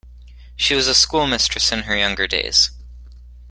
She was a schoolmistress in her younger days.